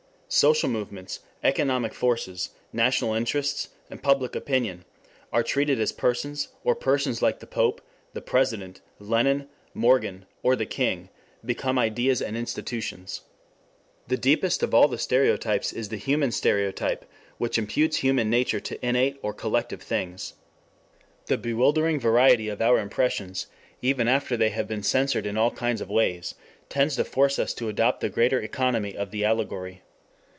Social Movements, Economic Forces, National Interests, Public Opinion are treated as persons, or persons like the Pope, the President, Lenin, Morgan or the King become ideas and institutions. The deepest of all the stereotypes is the human stereotype which imputes human nature to inanimate or collective things. The bewildering variety of our impressions, even after they have been censored in all kinds of ways, tends to force us to adopt the greater economy of the allegory.